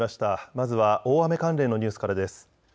まずは大雨関連のニュースからです。